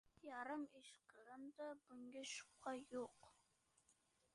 Yarim ish qilindi, bunga shubha yo‘q